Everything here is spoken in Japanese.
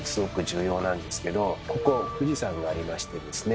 ここ富士山がありましてですね